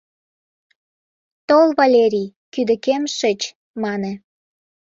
— Тол, Валерий, кӱдыкем шич, — мане.